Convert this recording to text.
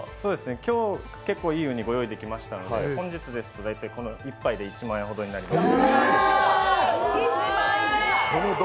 今日、結構いいウニご用意できましたので本日ですと大体、１杯で１万円ほどになります。